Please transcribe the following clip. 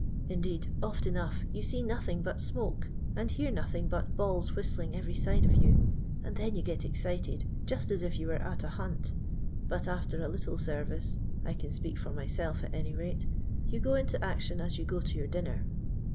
Indeed, oft enough you see nothing but smoke, and hear no thing but balls whistling every side of yoiL And then you get excited, just as if you were at a hunt ; but after a little service— I can speak for myself, at any rate— you go into action as you go to your dinner.